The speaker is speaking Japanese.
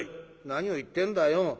「何を言ってんだよ。